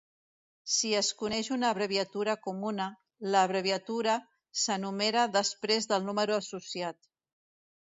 Si es coneix una abreviatura comuna, l'abreviatura s'enumera després del número associat.